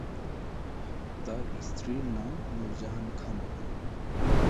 তার স্ত্রীর নাম নূরজাহান খানম।